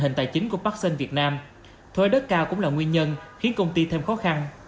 hình tài chính của parxim việt nam thuế đất cao cũng là nguyên nhân khiến công ty thêm khó khăn